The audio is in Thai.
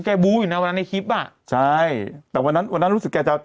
บู้อยู่นะวันนั้นในคลิปอ่ะใช่แต่วันนั้นวันนั้นรู้สึกแกจะ